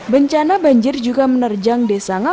bencana banjir juga menerjang desa ngawi